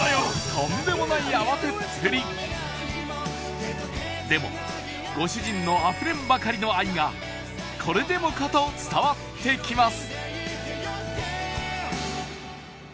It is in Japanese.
とんでもないでもご主人のあふれんばかりの愛がこれでもかと伝わってきます